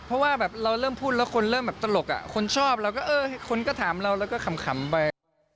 เพราะว่าแบบเราเริ่มพูดแล้วคนเริ่มแบบตลกคนชอบเราก็เออคนก็ถามเราแล้วก็ขำไป